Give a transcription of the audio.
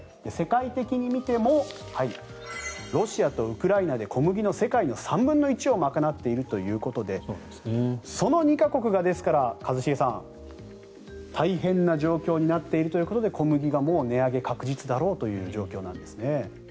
世界的に見てもロシアとウクライナで小麦の世界の３分の１を賄っているということでその２か国が、ですから一茂さん大変な状況になっているということで小麦が値上げ確実だろうということですね。